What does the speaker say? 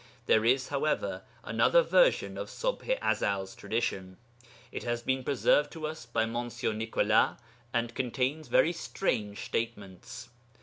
There is, however, another version of Ṣubḥ i Ezel's tradition; it has been preserved to us by Mons. Nicolas, and contains very strange statements.